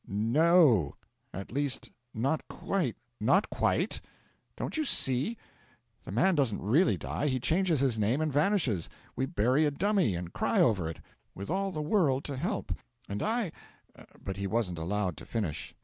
'"N o; at least, not qu " '"Not quite? Don't you see? The man doesn't really die; he changes his name and vanishes; we bury a dummy, and cry over it, with all the world to help. And I " 'But he wasn't allowed to finish.